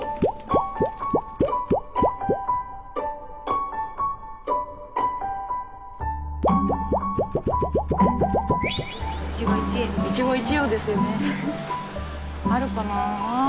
あるかなあ。